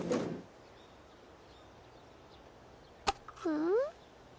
うん？